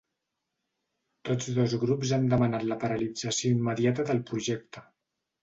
Tots dos grups han demanat la paralització immediata del projecte.